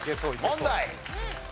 問題。